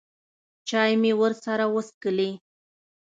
چای مې ورسره وڅښلې.